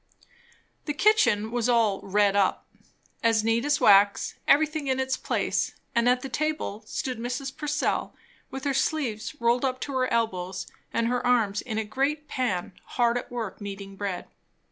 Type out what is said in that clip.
The kitchen was all "redd up," as neat as wax; everything in its place; and at the table stood Mrs. Purcell with her sleeves rolled up to her elbows and her arms in a great pan, hard at work kneading bread.